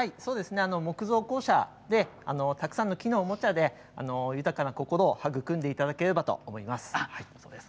木造校舎でたくさんの木のおもちゃで豊かな心をはぐくんでいただければと思います。